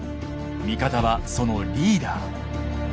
味方はそのリーダー。